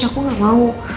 aku gak mau